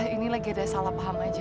ini lagi ada salah paham aja